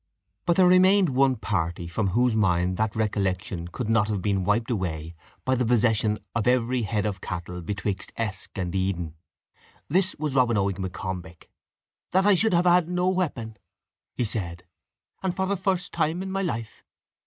But there remained one party from whose mind that recollection could not have been wiped away by the possession of every head of cattle betwixt Esk and Eden. This was Robin Oig M'Combich. "That I should have had no weapon," he said, "and for the first time in my life!